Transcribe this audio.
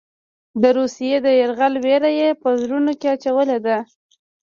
د روسیې د یرغل وېره یې په زړونو کې اچولې ده.